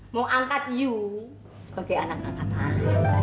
mau angkat yu sebagai anak angkatan